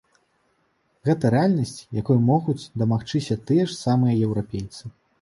Гэта рэальнасць, якой могуць дамагчыся тыя ж самыя еўрапейцы.